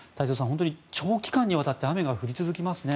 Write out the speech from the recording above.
本当に長期間にわたって雨が降り続きますね。